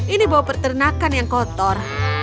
ini bau pertenakan yang kotor